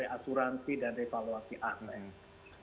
asuransi dan revaluasi atlet